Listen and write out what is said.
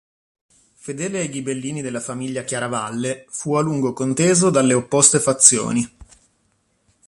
Fedele ai ghibellini della famiglia Chiaravalle, fu a lungo conteso dalle opposte fazioni.